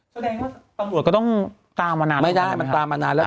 ทะเรนว่าต่างบวกก็ต้องตามมานานแล้วกันไหมไม่ได้ตามมานานแล้ว